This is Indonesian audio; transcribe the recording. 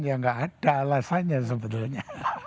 ya nggak ada alasannya sebetulnya